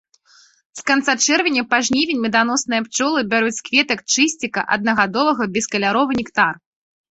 З канца чэрвеня па жнівень меданосныя пчолы бяруць з кветак чысціка аднагадовага бескаляровы нектар.